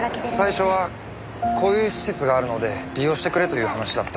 最初はこういう施設があるので利用してくれという話だった。